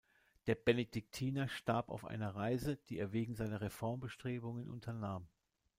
Der Benediktiner starb auf einer Reise, die er wegen seiner Reformbestrebungen unternahm.